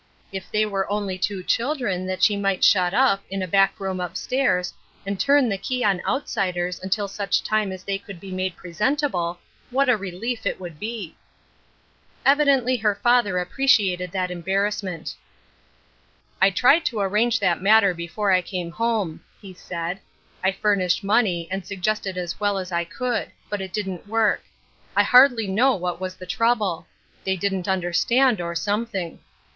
If they were only two children, that she might shut up, in a back room up stairs, and turn the key on outsiders until such time as they could be made presentable, what a relief it would be ! Evidently her father appreciated that embar rassment. " I tried to arrange that matter before I came home," he said. " I furnished mone)^ and sug gested as well as I could ; but it didn't work. I hardly know what was the trouble. They didn't understand, or something.